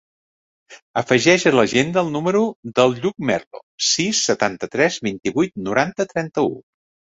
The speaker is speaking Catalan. Afegeix a l'agenda el número del Lluc Merlo: sis, setanta-tres, vint-i-vuit, noranta, trenta-u.